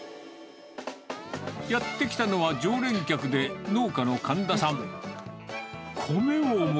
やって来たのは常連客で、農家のかんださん。